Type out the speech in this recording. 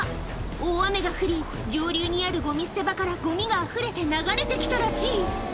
大雨が降り、上流にあるごみ捨て場から、ごみがあふれて流れてきたらしい。